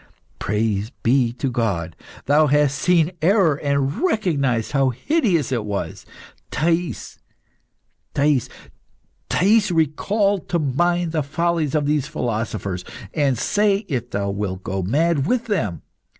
Praise be to God! Thou hast seen error and recognised how hideous it was. Thais, Thais, Thais, recall to mind the follies of these philosophers, and say if thou wilt go mad with them!